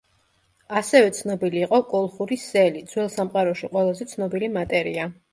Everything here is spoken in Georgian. ასევე ცნობილი იყო კოლხური სელი, ძველ სამყაროში ყველაზე ცნობილი მატერია.